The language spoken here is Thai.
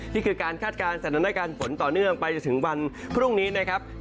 นี่คือการคาดการณ์สถานการณ์ฝนต่อเนื่องไปจนถึงวันพรุ่งนี้นะครับ